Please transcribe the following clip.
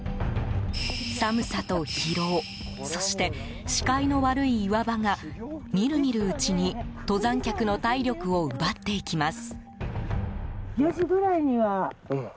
寒さと疲労そして視界の悪い岩場がみるみるうちに登山客の体力を奪っていきます。